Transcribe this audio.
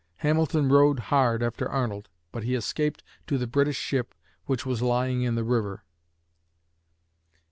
Hamilton rode hard after Arnold, but he escaped to the British ship which was lying in the river.